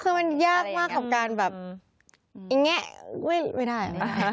คือมันยากมากของการแบบไอ้เนี่ยไม่ได้